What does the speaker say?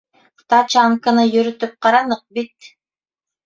Тачанканы йөрөтөп ҡараныҡ бит.